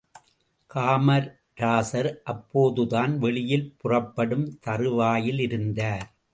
காமராசர் அப்போதுதான் வெளியில் புறப்படும் தறுவாயிலிருந்தார்.